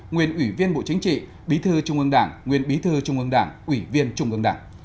nguyên ủy viên bộ chính trị bí thư trung ương đảng nguyên bí thư trung ương đảng ủy viên trung ương đảng